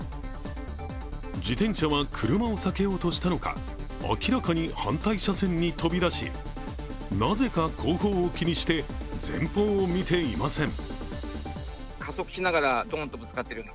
自転車は車を避けようとしたのか明らかに反対車線に飛び出しなぜか後方を気にして前方を見ていません。